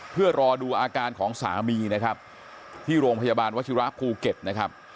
เพื่อรอดูอาการของสามีนะครับที่โรงพยาบาลวชิระภูเก็ตนะครับ